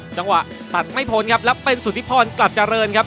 จังหวะตัดไม่พ้นครับแล้วเป็นสุธิพรกลัดเจริญครับ